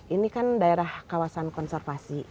ini kan daerah kawasan konservasi